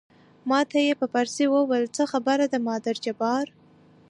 ما ته یې په فارسي وویل څه خبره ده مادر جبار.